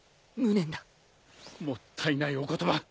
もったいないお言葉。